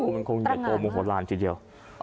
มันคงเย็นโตหมู่หลานทีเดียว